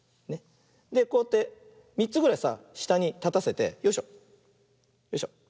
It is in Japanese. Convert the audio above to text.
でこうやって３つぐらいさしたにたたせてよいしょよいしょ。